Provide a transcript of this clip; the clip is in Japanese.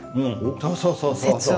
そうそうそうそう。